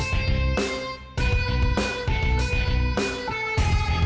saya periksa dulu ya